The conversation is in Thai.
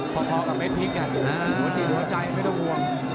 พอกับเม็ดพริกหัวจิตหัวใจไม่ต้องห่วง